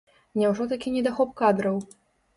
Няўжо такі недахоп кадраў?